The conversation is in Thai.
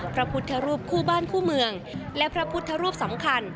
พระพุทธรูปคู่บ้านคู่เมืองและพระพุทธรูปสำคัญ